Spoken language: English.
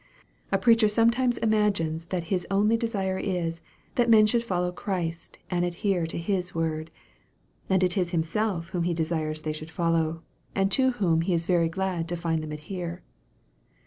A preacher some times imagines that his only desire is, that men should follow Christ, and adhere to His word ; and it is himself whom he desires they should follow, and to whom he is very glad to find them adhere."